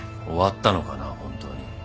終わったのかな本当に。